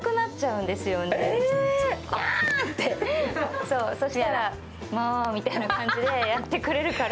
にゃーって、そしたらもうみたいな感じでやってくれるから。